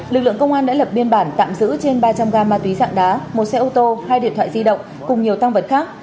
lực lượng công an đã lập biên bản tạm giữ trên ba trăm linh gam ma túy dạng đá một xe ô tô hai điện thoại di động cùng nhiều tăng vật khác